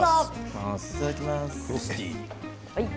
いただきます。